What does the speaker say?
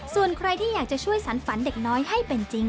ส่วนใครที่อยากจะช่วยสรรฝันเด็กน้อยให้เป็นจริง